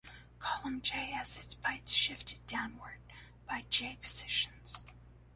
Column "j" has its bytes shifted downwards by "j" positions.